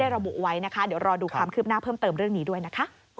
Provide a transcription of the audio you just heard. เดี๋ยวรอดูคลามคืบหน้าเพิ่มเติมเรื่องนี้ด้วยนะคะ